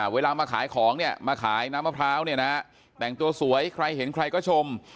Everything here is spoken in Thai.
เวลามาขายของเนี่ยมาขายน้ำมะพร้าวเนี่ยนะแต่งตัวสวยใครเห็นใครก็ชม